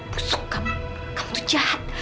busuk kamu kamu tuh jahat